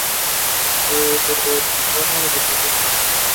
Heliconia y se reproduce por semillas.